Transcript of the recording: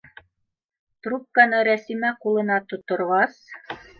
Трубканы Рәсимә ҡулына тотторғас: